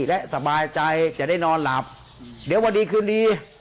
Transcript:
และสบายใจจะได้นอนหลับเดี๋ยววันดีคืนดี